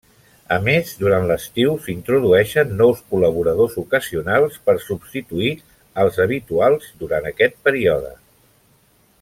A més, durant l'estiu s'introdueixen nous col·laboradors ocasionals per substituir als habituals durant aquest període.